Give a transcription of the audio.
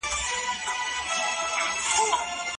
انا هغه پورته کړ او له کوټې یې وایست.